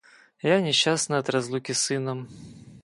Я несчастна от разлуки с сыном.